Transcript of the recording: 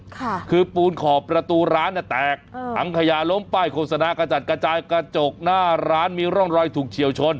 ค่ะคือปูนขอบประตูร้านเนี่ยแตกทั้งขยาล้มป้ายโฆษณากระจัดกระจายกระจกหน้าร้านมีร่องรอยถูกเฉียวชน